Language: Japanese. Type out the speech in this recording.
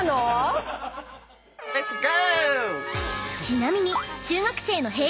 ［ちなみに］